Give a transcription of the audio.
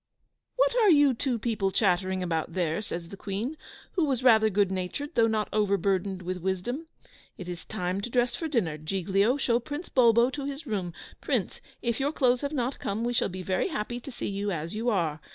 "What are you two people chattering about there?" says the Queen, who was rather good natured, though not overburdened with wisdom. "It is time to dress for dinner. Giglio, show Prince Bulbo to his room. Prince, if your clothes have not come, we shall be very happy to see you as you are."